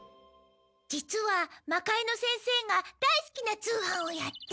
実は魔界之先生が大すきな通販をやって。